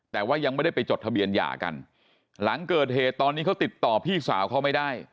แต่ว่ายังไม่ได้ไปจดทะเบียนหย่ากันหลังเกิดเหตุตอนนี้เขาติดต่อพี่สาวเขาไม่ได้